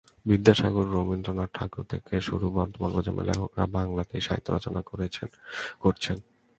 বিদ্যাসাগর, রবীন্দ্রনাথ ঠাকুর থেকে শুরু বর্তমান প্রজন্মের লেখকেরা বাংলাতেই সাহিত্য রচনা করেছেন, করছেন।